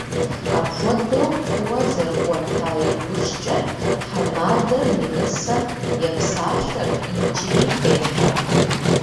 Апхуэдэу фӏыуэ зэрыӏуэта иужькӀэ, тхьэмадэр и нысэм епсалъэрт икӀи техьэрт.